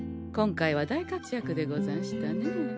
今回は大活躍でござんしたねえ。